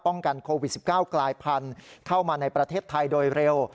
กันโควิด๑๙กลายพันธุ์เข้ามาในประเทศไทยโดยเร็ว